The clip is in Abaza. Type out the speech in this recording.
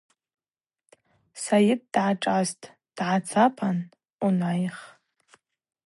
Сайыт дгӏашӏастӏ, дгӏацапан: – Унайх.